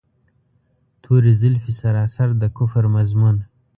توري زلفې سراسر د کفر مضمون.